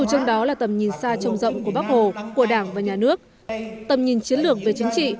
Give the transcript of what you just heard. và trong rộng của bác hồ của đảng và nhà nước tầm nhìn chiến lược về chính trị